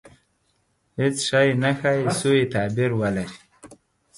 • هېڅ شی نه ښایي، سوء تعبیر ولري.